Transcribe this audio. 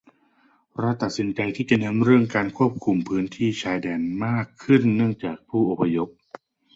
รัฐตัดสินใจที่จะเน้นในเรื่องการควบคุมพื้นที่ชายแดนมากขึ้นเนื่องจากผู้อพยพ